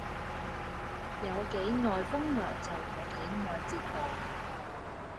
有幾耐風流就有幾耐折墮